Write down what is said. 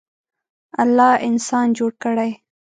الله انسان جوړ کړی.